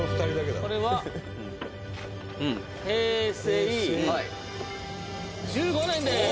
「これは平成１５年です！」